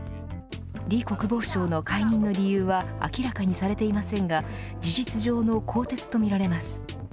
李国防相の解任の理由は明らかにされていませんが事実上の更迭とみられます。